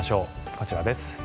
こちらです。